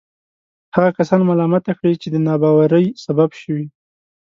هغه کسان ملامته کړي چې د ناباورۍ سبب شوي.